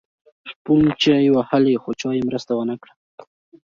شپون چیغې وهلې خو چا یې مرسته ونه کړه.